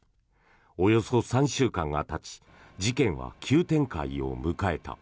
およそ３週間がたち事件は急展開を迎えた。